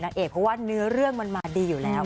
เพราะว่าเนื้อเรื่องมันมาดีอยู่แล้ว